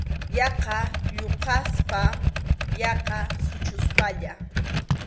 Yaqa lluqaspa, yaqa suchuspalla.